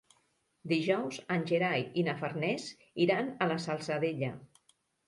Dijous en Gerai i na Farners iran a la Salzadella.